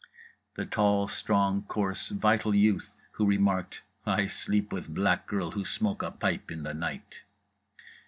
—the tall, strong, coarse, vital youth who remarked: "I sleep with black girl who smoke a pipe in the night."